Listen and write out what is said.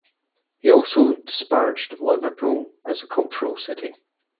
He also disparaged Liverpool as a cultural city.